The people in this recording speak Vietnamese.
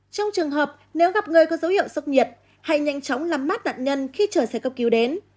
trong trường hợp nếu gặp người có dấu hiệu sốc nhiệt hãy nhanh chóng lắm mắt nạn nhân khi trời sẽ cấp cứu đến